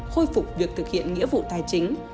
khôi phục việc thực hiện nghĩa vụ tài chính